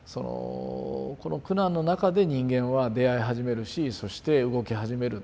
この苦難の中で人間は出会い始めるしそして動き始めるっていうのをね